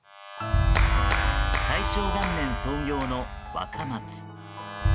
大正元年創業の若松。